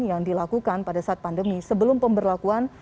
yang dilakukan pada saat pandemi sebelum pemberlakuan